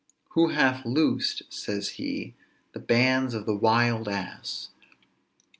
Who hath loosed (says he) _the bands of the wild ass?